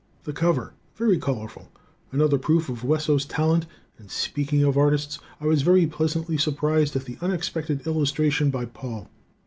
The cover: very colorful: another proof of Wesso's talent. And speaking of artists, I was very pleasantly surprised at the unexpected illustration by Paul.